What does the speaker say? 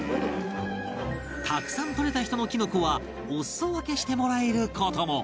たくさん採れた人のきのこはお裾分けしてもらえる事も